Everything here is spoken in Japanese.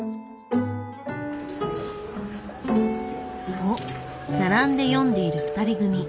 おっ並んで読んでいる２人組。